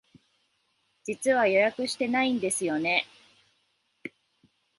実は予約してないんですよね。